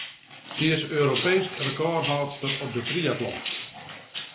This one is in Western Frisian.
Sy is Europeesk rekôrhâldster op de triatlon.